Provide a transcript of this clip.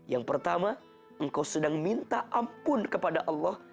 yang pertama engkau sedang minta ampun kepada allah